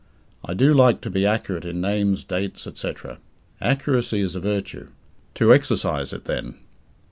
I do like to be accurate in names, dates, etc. Accuracy is a virtue. To exercise it, then.